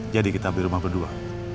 jadi kita ambil rumah berdua